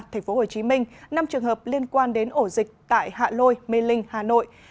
tp hcm năm trường hợp liên quan đến ổ dịch tại hạ lôi mê linh hà nội